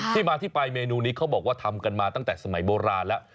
ที่มาที่ไปเมนูนี้เขาบอกว่าทำกันมาตั้งแต่สมัยโบราณแล้ว